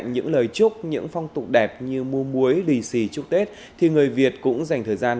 những lời chúc những phong tục đẹp như múa muối lì xì chúc tết thì người việt cũng dành thời gian